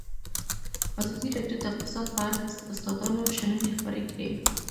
ازادي راډیو د اقتصاد په اړه د استادانو شننې خپرې کړي.